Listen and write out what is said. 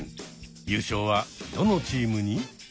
優勝はどのチームに？